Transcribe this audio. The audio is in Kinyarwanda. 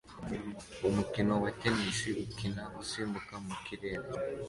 Umukino wa tennis ukina usimbuka mu kirere